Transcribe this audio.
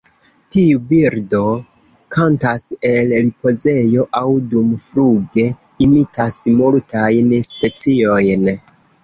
Tiu birdo kantas el ripozejo aŭ dumfluge; imitas multajn speciojn.